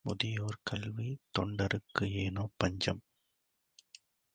முதியோர் கல்வித் தொண்டருக்கு ஏனோ பஞ்சம்?